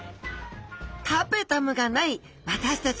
タペタムがない私たち